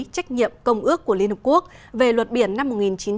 trách nhiệm công ước của liên hợp quốc về luật biển năm một nghìn chín trăm tám mươi hai